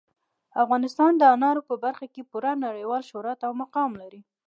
افغانستان د انارو په برخه کې پوره نړیوال شهرت او مقام لري.